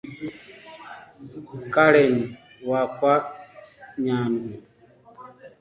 Karen wokwa Nyandwi.